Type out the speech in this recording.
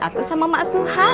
aku sama maksuhan